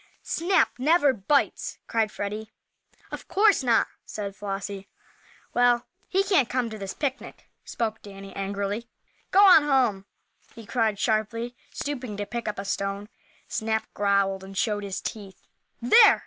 "Snap never bites!" cried Freddie. "Of course not," said Flossie. "Well, he can't come to this picnic!" spoke Danny, angrily. "Go on home!" he cried, sharply, stooping to pick up a stone. Snap growled and showed his teeth. "There!"